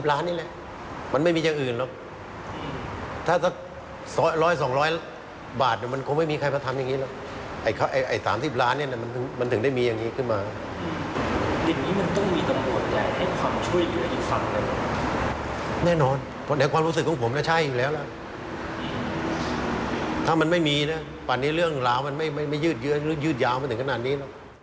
ถ้ามันไม่มีปันนี้เรื่องราวไม่ยืดยาวมาถึงขนาดนี้